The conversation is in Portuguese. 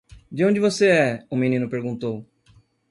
"De onde você é?" o menino perguntou.